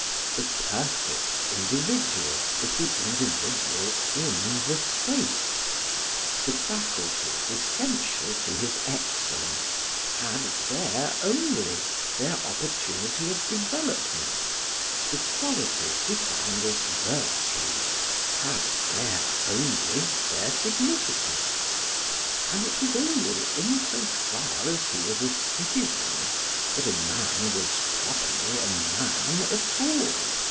The perfect individual was the individual in the state; the faculties essential to his excellence had there only their opportunity of development; the qualities defined as virtues had there only their significance; and it was only in so far as he was a citizen that a man was properly a man at all.